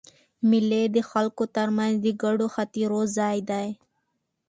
مېلې د خلکو تر منځ د ګډو خاطرو ځای دئ.